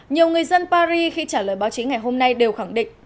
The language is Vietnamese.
nhiều người dân paris khi trả lời báo chí ngày hôm nay đều khẳng định